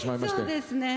そうですね。